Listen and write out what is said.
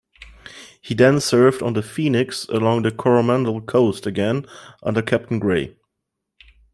He then served on the "Phoenix" along the Coromandel Coast again under Captain Gray.